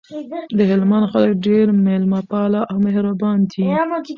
دهلمند خلګ ډیر میلمه پاله او مهربان دي